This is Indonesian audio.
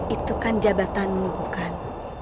itu kan jabatanmu bukan